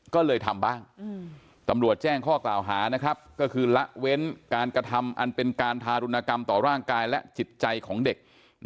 ก็เลยทำบ้างตำรวจแจ้งข้อกล่าวหาก็คือละเว้นการกระทำอันเป็นการทารุณกรรมต่อร่างกายและจิตใจของเด็ก